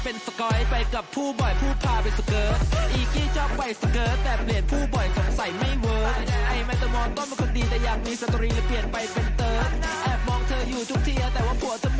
โอ้โหอิกกี้ตัวจริงจ้า